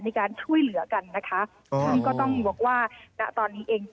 ในการช่วยเหลือกันนะคะนี่ก็ต้องบอกว่าณตอนนี้เอง